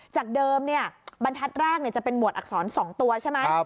จากเดิมบรรทัศน์แรกจะเป็นหวดอักษร๒ตัวใช่ไหม